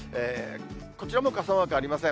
こちらも傘マークありません。